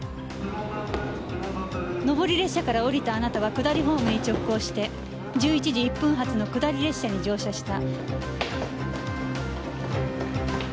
上り列車から降りたあなたは下りホームに直行して１１時１分発の下り列車に乗車した。